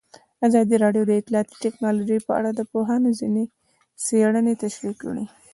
ازادي راډیو د اطلاعاتی تکنالوژي په اړه د پوهانو څېړنې تشریح کړې.